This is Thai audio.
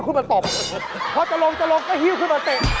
มึงเล่นไม่เป็น